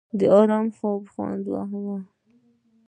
د ارام خوب خوند لري.